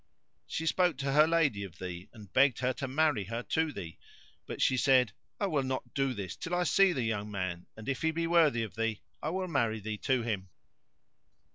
She spoke to her lady of thee and begged her to marry her to thee; but she said, 'I will not do this, till I see the young man; and, if he be worthy of thee, I will marry thee to him.'